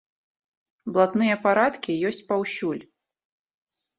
Блатныя парадкі ёсць паўсюль.